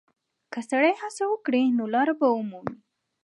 که سړی هڅه وکړي، نو لاره به ومومي.